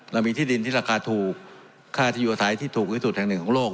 เรามีที่ดินที่ราคาถูกค่าที่อยู่ไทยที่ถูกที่สุดแห่งหนึ่งของโลก